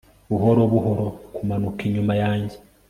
buhoro buhoro kumanuka inyuma yanjye